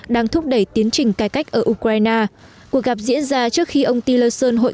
đang thúc đẩy tiến trình cải cách ở ukraine cuộc gặp diễn ra trước khi ông tillerson hội